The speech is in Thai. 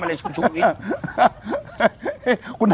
ปรากฏว่าจังหวัดที่ลงจากรถ